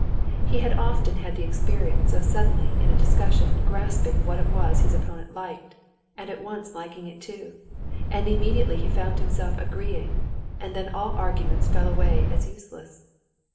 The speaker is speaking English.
He had often had the experience of suddenly in a discussion grasping what it was his opponent liked and at once liking it too, and immediately he found himself agreeing, and then all arguments fell away as useless.